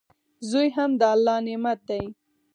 زوی هم د الله نعمت دئ.